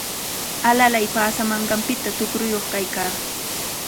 Alalay paasamanqanpita tuqruyuq kaykaa.